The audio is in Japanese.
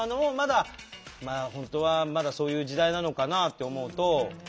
まあ本当はまだそういう時代なのかなあって思うと。